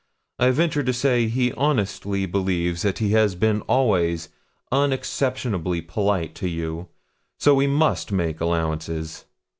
I venture to say he honestly believes that he has been always unexceptionably polite to you, so we must make allowances.'